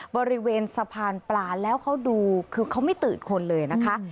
บริเวณสะพานปลาแล้วเขาดูคือเขาไม่ตื่นคนเลยนะคะ